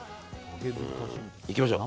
いきましょう。